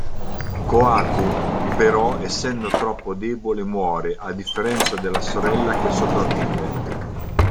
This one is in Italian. Kohaku però essendo troppo debole muore a differenza della sorella che sopravvive.